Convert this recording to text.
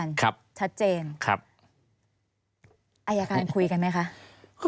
ครับครับชัดเจนไอยการย์คุยกันไหมคะ